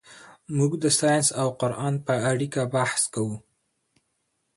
موږ د ساینس او قرآن په اړیکه بحث کوو.